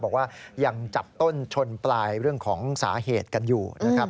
บอกว่ายังจับต้นชนปลายเรื่องของสาเหตุกันอยู่นะครับ